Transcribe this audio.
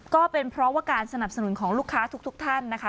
ก็เป็นเพราะว่าการสนับสนุนของลูกค้าทุกท่านนะคะ